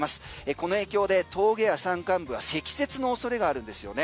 この影響で峠や山間部は積雪のおそれがあるんですよね。